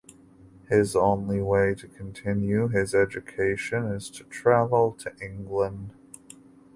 His only way to continue his education is to travel to England.